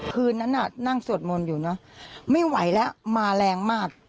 คืนนั้นน่ะนั่งสวดมนต์อยู่เนอะไม่ไหวแล้วมาแรงมาก